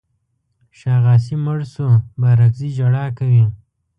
شاغاسي مړ شو بارکزي ژړا کوي.